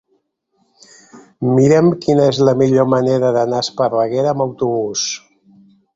Mira'm quina és la millor manera d'anar a Esparreguera amb autobús.